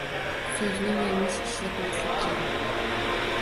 Soʻzni yanglish ishlatmaslik kerak